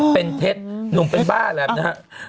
เป็นเท็จหนุ่มเป็นบ้าแหละนะฮะ